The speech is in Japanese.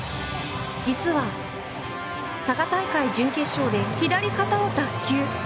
実は佐賀大会準決勝で左肩を脱臼。